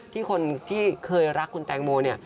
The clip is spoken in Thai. คนที่เคยรักคุณแตงโมเนี่ย